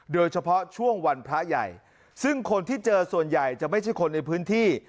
โดยเฉพาะช่วงวันพระใหญ่ซึ่งคนที่เจอส่วนใหญ่จะไม่ใช่คนในพื้นที่